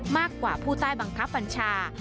มากกว่าผู้ใต้บังคับบัญชา